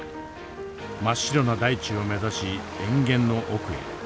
真っ白な大地を目指し塩原の奥へ。